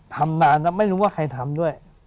ทำนานแล้วไม่รู้ว่าใครทำด้วย